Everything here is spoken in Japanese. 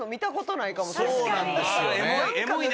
そうなんですよね。